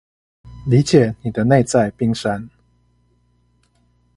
理解你的內在冰山